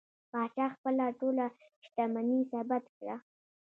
پاچا خپله ټوله شتمني ثبت کړه.